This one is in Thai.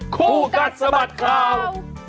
คู่กัศสมัติคราว